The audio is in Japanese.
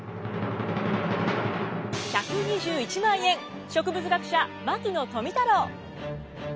１２１万円植物学者牧野富太郎。